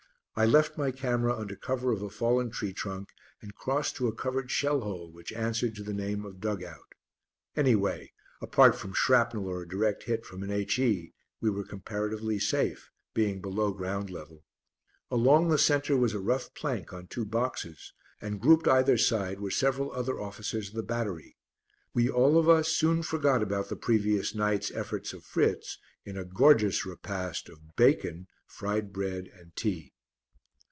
I left my camera under cover of a fallen tree trunk and crossed to a covered shell hole which answered to the name of dug out. Anyway, apart from shrapnel or a direct hit from an H.E., we were comparatively safe, being below ground level. Along the centre was a rough plank on two boxes and grouped either side were several other officers of the battery. We all of us soon forgot about the previous night's efforts of Fritz in a gorgeous repast of bacon, fried bread, and tea.